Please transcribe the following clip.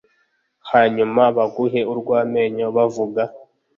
hanyuma baguhe urw'amenyo bavug